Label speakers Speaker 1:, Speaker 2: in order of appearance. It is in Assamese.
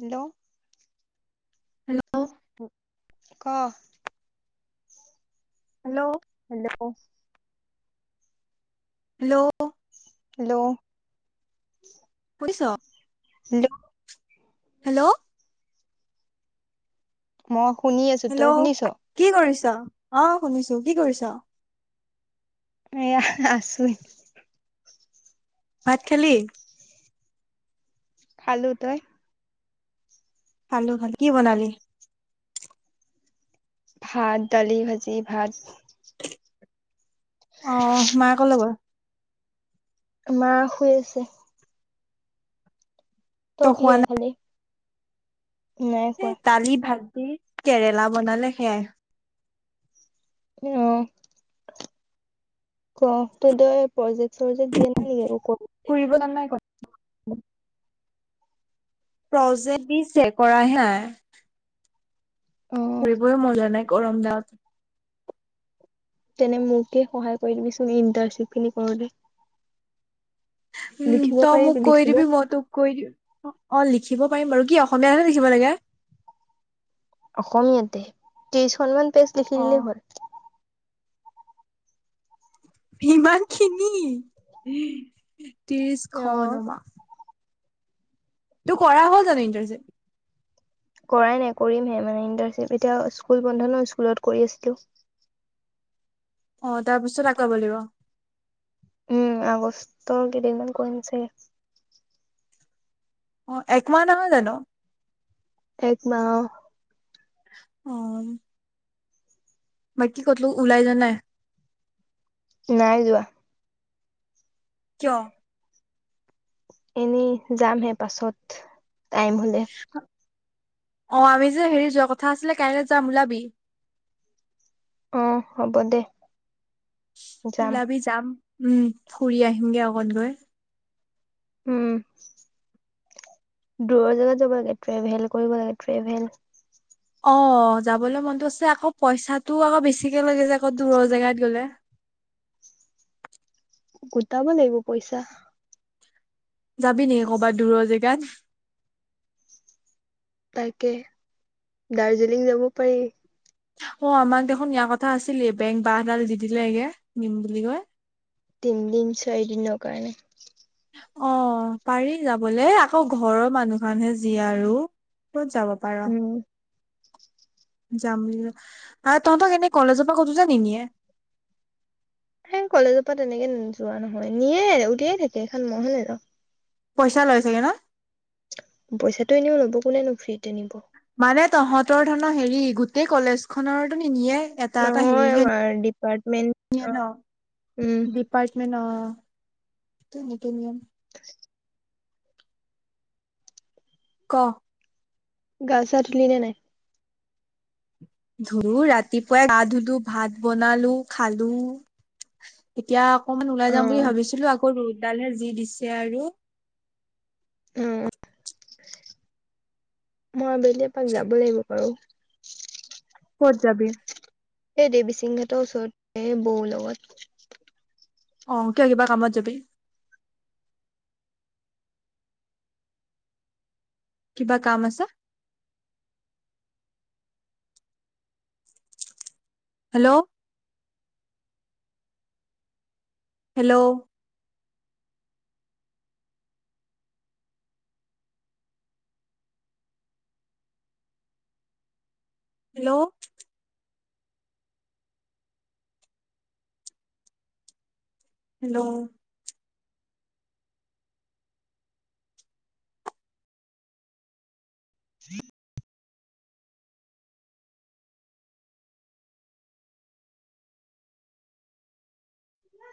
Speaker 1: হেল্ল'?
Speaker 2: হেল্ল'?
Speaker 1: ক?
Speaker 2: হেল্ল'?
Speaker 1: হেল্ল'?
Speaker 2: হেল্ল'?
Speaker 1: হেল্ল'?
Speaker 2: শুনিছ? হেল্ল'?
Speaker 1: মই শুনি আছো,
Speaker 2: হেল্ল'
Speaker 1: তই শুনিছ?
Speaker 2: কি কৰিছ? অ শুনিছো, কি কৰিছ?
Speaker 1: এয়া আছোই।
Speaker 2: ভাত খালি?
Speaker 1: খালো, তই?
Speaker 2: খালো খালো, কি বনালি?
Speaker 1: ভাত, দালি, ভাজি, ভাত।
Speaker 2: অ মা কলৈ গল?
Speaker 1: মা শুই আছে। তই
Speaker 2: খোৱা
Speaker 1: কিহেৰে
Speaker 2: নাই?
Speaker 1: খালি? নাই
Speaker 2: এ
Speaker 1: খোৱা।
Speaker 2: দালি, ভাজি, কেৰেলা বনালে সেয়াই।
Speaker 1: এ অ। ক তই ত প্ৰজেক্ট - চৰজেক্ট দিয়ে নেকি ক
Speaker 2: ফুৰিব জান নাই ক প্ৰজেক্ট দিছে, কৰা হে নাই।
Speaker 1: অ
Speaker 2: কৰিবই মন যোৱা নাই গৰম তাত।
Speaker 1: তেনে মোকে সহায় কৰি দিবিচোন ইণ্টাৰ্নশ্বিপখিনি কৰতে।
Speaker 2: উম,
Speaker 1: লিখিব
Speaker 2: তই মোক
Speaker 1: পাৰিবি
Speaker 2: কৈ
Speaker 1: লিখিব
Speaker 2: দিবি মই তোক কৈ দি অ লিখিব পাৰিম বাৰু কি অসমীয়াহে লিখিব লাগে?
Speaker 1: অসমীয়াতে, ত্ৰিশখনমান পেজ লিখি
Speaker 2: অ
Speaker 1: দিলেই হ'ল।
Speaker 2: ইমানখিনি,
Speaker 1: অ
Speaker 2: ত্ৰিশখন ৱা! তোৰ কৰা হ'ল জানো ইণ্টাৰনশ্বিপ।
Speaker 1: কৰাই নাই কৰিমহে মানে ইণ্টাৰশ্বিপ এতিয়া স্কুল বন্ধ ন স্কুলত কৰি আছিলো।
Speaker 2: অ তাৰ পিছত আকৌ কৰিব লাগিব।
Speaker 1: উম, আগষ্ট কেইদিনমান কৰিমছে।
Speaker 2: অ, একমাহ নহয় জানো?
Speaker 1: একমাহ অহ।
Speaker 2: অ। মই কি ক'তলো ওলাই যোৱা নাই?
Speaker 1: নাই যোৱা।
Speaker 2: কিয়?
Speaker 1: এনেই যামহে পাছত টাইম হ'লে।
Speaker 2: অঁ আমি যে হেৰি যোৱা কথা আছিলে কাইলৈ যাম ওলাবি।
Speaker 1: অঁ হ'ব দে। যাম
Speaker 2: ওলাবি যাম উমঁ ফুৰি আহিমগে অকন গৈ।
Speaker 1: উমঁ দূৰৰ জেগাত যাব লাগে ট্ৰেভেল কৰিব লাগে ট্ৰেভেল।
Speaker 2: অঁ যাবলৈ মনত আছে আকৌ পইচাটো আকৌ বেছিকে লাগে যে আকৌ দূৰৰ জেগাত গ'লে।
Speaker 1: গোটাব লাগিব পইচা।
Speaker 2: যাবি নেকি কৰ'বাত দূৰৰ জেগাত।
Speaker 1: তাকে দাৰ্জিলিং যাব পাৰি।
Speaker 2: অঁ আমাক দেখোন নিয়াৰ কথা আছিলে বেংক বাহডাল দি দিলে এগে নিম বুলি কয়।
Speaker 1: তিনিদিন চাৰি দিন নৰ কাৰনেই।
Speaker 2: অঁ পাৰি যাবলে আকৌ ঘৰৰ মানুহ খনহে যি আৰু ক'ত যাব পাৰি। পাৰ।
Speaker 1: উম
Speaker 2: যাম বুলো আৰু তহঁতক এনে কলেজৰ পৰা কোতোনে নিনীয়ে।
Speaker 1: সেই কলেজৰ পৰা তেনেকে যোৱা নহয় নিয়ে উলিয়ে থাকে এখন মই হে নেযাওঁ।
Speaker 2: পইচা লৈ চাগে ন।
Speaker 1: পইচাটো এনেও ল'ব, কোনেনো ফ্ৰীতে নিব।
Speaker 2: মানে তহঁতৰ ধৰণৰ হেৰি গোটেই কলেজ খনৰতো নিনিয়ে? এটা এটা হেৰি
Speaker 1: নহয়
Speaker 2: নিয়ে
Speaker 1: আমাৰ ডিপাৰ্টমেন্ট
Speaker 2: ন।
Speaker 1: উম
Speaker 2: দিপ- দিপাএপাৰ্টমেণ্ট অঁ তেনেকে নিয়ে।
Speaker 1: [unintelligible]
Speaker 2: ক।
Speaker 1: গা ছা ধুলি নে নাই?
Speaker 2: ধলো ৰাতিপুৱাই গা ধুলো ভাত বনালো খালো এতিয়া- অকমান ওলাই
Speaker 1: অ
Speaker 2: যম বুলি ভাবিছিলো আকৌ ৰৌদডালে যি দিছে আৰু।
Speaker 1: অঁ মই আবেলি এপাক যাব লাগিব বাৰু।
Speaker 2: ক'ত যাবি?
Speaker 1: এই দেৱীচিংঘাটৰ ওচৰত বৌ লগত।
Speaker 2: অঁ কিয় কিবা কামত যাবি। কিবা কাম আছে? হেলৌ! হেল্লৌ! হেলৌ! হেল্লৌ!
Speaker 1: যিচচ